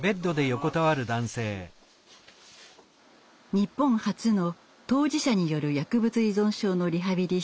日本初の当事者による薬物依存症のリハビリ施設